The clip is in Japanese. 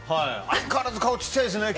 相変わらず顔が小さいですね。